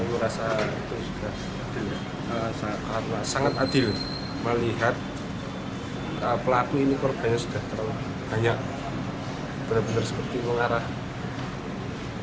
merasa itu sudah sangat adil melihat pelaku ini korbannya sudah terlalu banyak benar benar seperti mengarah